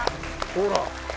ほら！